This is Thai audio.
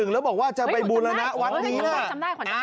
แล้วบอกว่าวัดนี่นะ